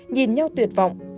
nhìn nhau tuyệt vọng